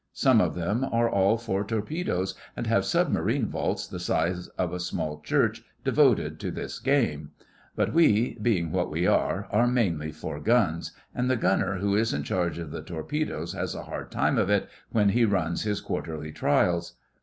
Some of them are all for torpedoes, and have submarine vaults the size of a small church devoted to this game; but we, being what we are, are mainly for guns, and the Gunner who is in charge of the torpedoes has a hard time of it when he runs his quarterly trials.